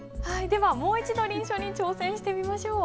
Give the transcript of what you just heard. ではもう一度臨書に挑戦してみましょう。